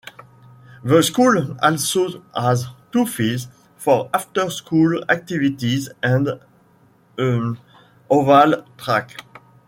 The school also has two fields for after-school activities and an oval track.